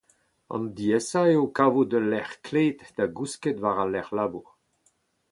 An diaesañ eo kavout ul lec’h klet da gousket war al lec’h-labour.